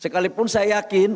sekalipun saya yakin